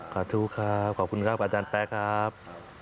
ขอโทษครับขอบคุณครับอาจารย์แป๊ครับ